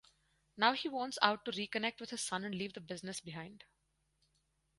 Now he wants out to reconnect with his son and leave the business behind.